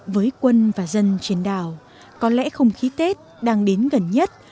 với quân và dân trên đảo có lẽ không khí tết đang đến gần nhất